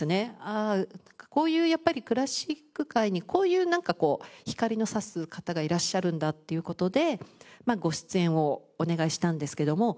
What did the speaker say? ああこういうやっぱりクラシック界にこういう光のさす方がいらっしゃるんだっていう事でご出演をお願いしたんですけども。